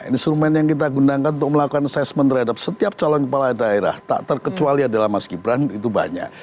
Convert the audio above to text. instrumen yang kita gunakan untuk melakukan assessment terhadap setiap calon kepala daerah tak terkecuali adalah mas gibran itu banyak